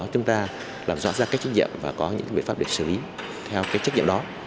để chúng ta làm rõ ra các trách nhiệm và có những biện pháp để xử lý theo trách nhiệm đó